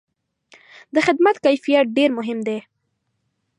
د خدمت کیفیت ډېر مهم دی.